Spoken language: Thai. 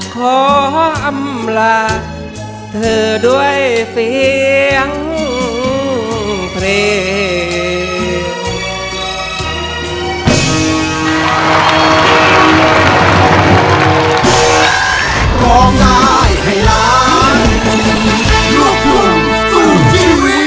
ขออำลาเธอด้วยเสียงเพลง